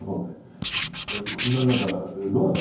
何かどうだった？